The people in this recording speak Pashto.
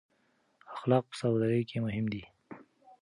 اخلاق په سوداګرۍ کې مهم دي.